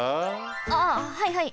あはいはい！